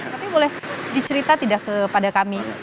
tapi boleh dicerita tidak kepada kami